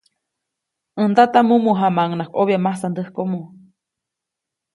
ʼÄj ndata, mumu jamaʼuŋnaʼajk ʼobya masandäjkomo.